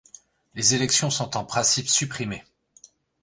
Les élections sont en principe supprimées.